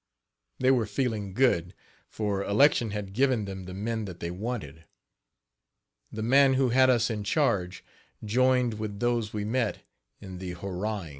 They were feeling good, for election had given them the men that they wanted. The man who had us in charge joined with those we met in the hurrahing.